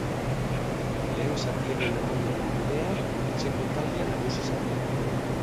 Lehen zatiaren amaieran, ordea, etxeko taldea nagusi izan da.